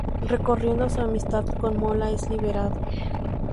Recurriendo a su amistad con Mola, es liberado.